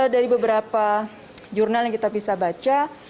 dari beberapa jurnal yang kita bisa baca